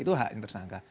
itu hak yang tersangka